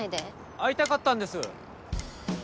会いたかったんです。